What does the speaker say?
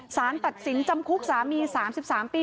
สารตัดสินจำคุกสามี๓๓ปี